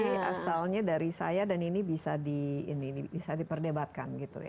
ini asalnya dari saya dan ini bisa diperdebatkan gitu ya